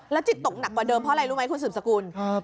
จิตตกหนักกว่าเดิมเพราะอะไรรู้ไหมคุณสืบสกุล